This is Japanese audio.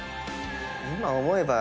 今思えば。